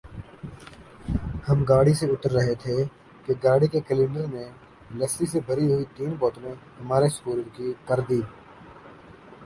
ہم گاڑی سے اتر رہے تھے کہ گاڑی کے کلنڈر نے لسی سے بھری ہوئی تین بوتلیں ہمارے سپرد کر دیں ۔